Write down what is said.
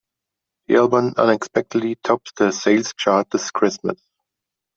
The album unexpectedly tops the sales chart this Christmas.